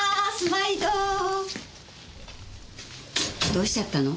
毎度！どうしちゃったの？